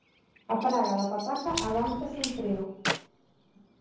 'A praga da pataca avanza sen freo'.